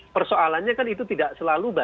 persoalannya kan itu tidak selalu